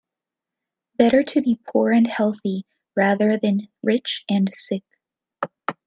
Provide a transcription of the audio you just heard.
Better to be poor and healthy rather than rich and sick.